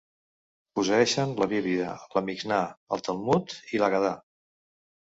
Posseeixen la Bíblia, la Mixnà, el Talmud, i l'Hagadà.